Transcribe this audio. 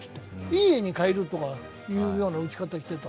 いい絵に変えるというような打ち方をしてるって。